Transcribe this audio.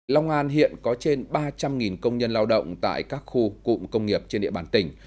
long an hiện có trên ba trăm linh công nhân lao động tại các khu cụm công nghiệp trên địa bàn tỉnh